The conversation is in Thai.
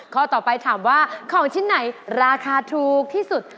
ข้อต่อไปถามว่าของชิ้นไหนราคาถูกที่สุด